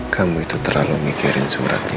kamu itu terlalu mikirin surat